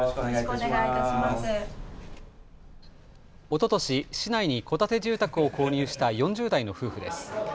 おととし、市内に戸建て住宅を購入した４０代の夫婦です。